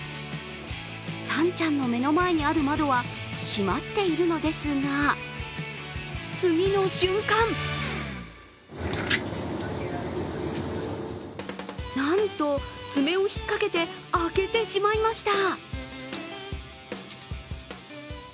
さんちゃんの目の前にある窓は閉まっているのですが、次の瞬間なんと、爪をひっかけて開けてしまいました。